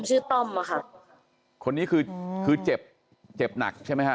ต้อมอ่ะค่ะคนนี้คือคือเจ็บเจ็บหนักใช่ไหมฮะ